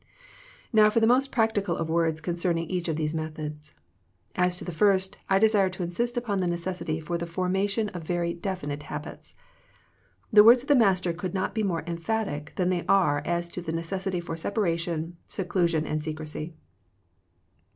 Now for the most practical of words concerning each of these methods. As to the first, I desire to insist upon the necessity for the formation of very definite habits. The words of the Master could not be more emphatic than they are as to the necessity for separation, seclusion, and secrecy.